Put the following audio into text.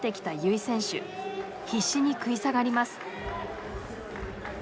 必死に食い下がります。